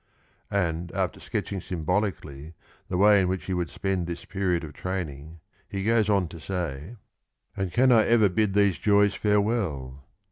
And after sketching symbolicalh' the way in which he would spend this period of training, he goes on to say : And can 1 ever bid these joys farewell?